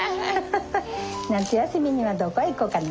夏休みにはどこ行こうかな？